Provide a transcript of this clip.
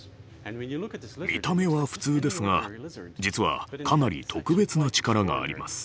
見た目は普通ですが実はかなり特別な力があります。